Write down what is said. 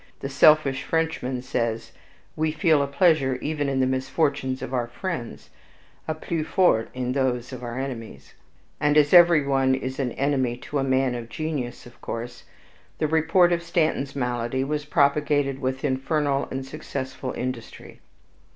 The selfish Frenchman* says, we feel a pleasure even in the misfortunes of our friends, a plus forte in those of our enemies; and as everyone is an enemy to a man of genius of course, the report of Stanton's malady was propagated with infernal and successful industry.